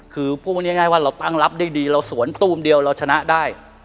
คือพูดง่ายว่าเราตั้งรับได้ดีเราสวนตูมเดียวเราชนะได้